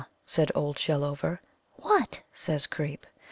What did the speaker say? said Old Shellover. *'What?" says Creep.